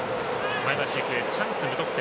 前橋育英、チャンス無得点。